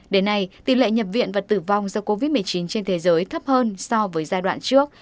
đến nay tỷ lệ nhập viện và tử vong do covid một mươi chín trên thế giới thấp hơn so với giai đoạn trước